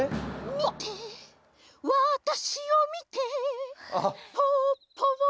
「みてわたしをみて」「ポッポをみて」